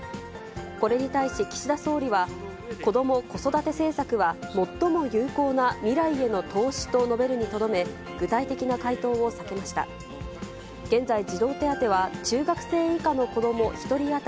これに対し、岸田総理はこども・子育て政策は最も有効な未来への投資と述べるにとどめ、具体的な回答を避けました。